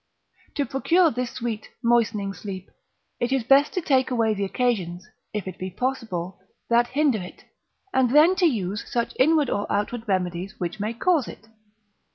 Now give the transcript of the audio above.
To procure this sweet moistening sleep, it's best to take away the occasions (if it be possible) that hinder it, and then to use such inward or outward remedies, which may cause it.